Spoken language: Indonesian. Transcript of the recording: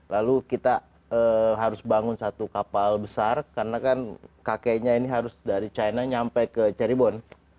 lalu kita harus bangun satu kapal besar karena kan kakeknya ini harus dari china nyampe ke ceribon